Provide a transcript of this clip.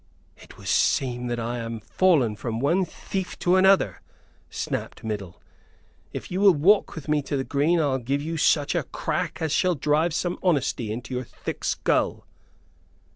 "It would seem that I am fallen from one thief to another," snapped Middle. "If you will walk with me to the green I'll give you such a crack as shall drive some honesty into your thick skull."